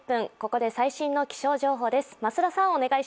ここで最新の気象情報です。